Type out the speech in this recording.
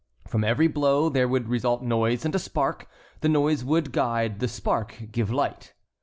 From every blow there would result noise and a spark. The noise would guide, the spark give light.